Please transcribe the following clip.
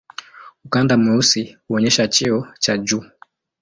Ukanda mweusi huonyesha cheo cha juu.